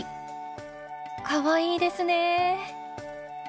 かわいいですねぇ。